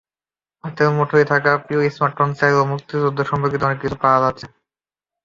হাতের মুঠোয় থাকা প্রিয় স্মার্টফোনেও চাইলে মুক্তিযুদ্ধ-সম্পর্কিত অনেক কিছুই পাওয়া যাচ্ছে।